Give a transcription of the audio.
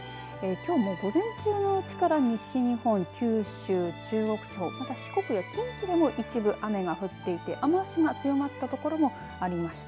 きょうもう午前中のうちから西日本九州、中国地方、四国や近畿でも一部雨が降っていて雨足が強まった所もありました。